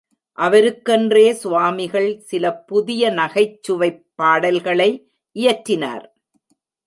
அவருக்கென்றே சுவாமிகள் சில புதிய நகைச் சுவைப் பாடல்களை இயற்றினார்.